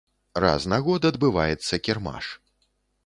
Раз на год адбываецца кірмаш.